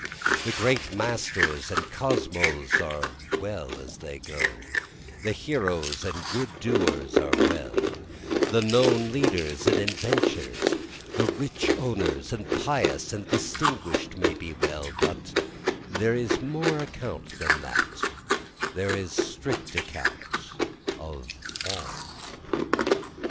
The great masters and kosmos are well as they go, the heroes and good doers are well, The known leaders and inventors and the rich owners and pious and distinguish'd may be well, But there is more account than that, there is strict account of all.